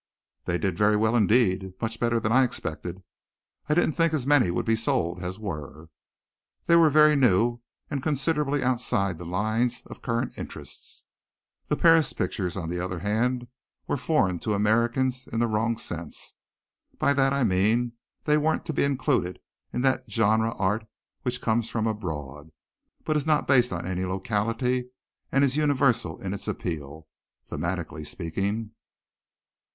"They did very well indeed, much better than I expected. I didn't think as many would be sold as were. They were very new and considerably outside the lines of current interest. The Paris pictures, on the other hand, were foreign to Americans in the wrong sense. By that I mean they weren't to be included in that genre art which comes from abroad, but is not based on any locality and is universal in its appeal thematically speaking.